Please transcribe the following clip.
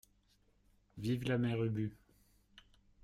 Vive la mère Ubu.